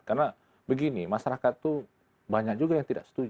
karena begini masyarakat itu banyak juga yang tidak setuju